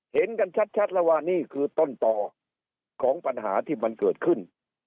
เห็นกันชัดแล้วว่านี่คือต้นต่อของปัญหาที่มันเกิดขึ้น